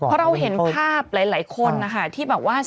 เพราะเราเห็นภาพหลายคนนะคะ